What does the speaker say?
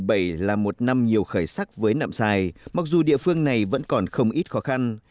năm hai nghìn một mươi bảy là một năm nhiều khởi sắc với nậm xài mặc dù địa phương này vẫn còn không ít khó khăn